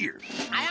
あ！